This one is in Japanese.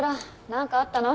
何かあったの？